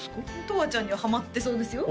とわちゃんにはハマってそうですよ